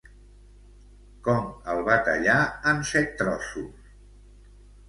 Com el va tallar en Set-trossos?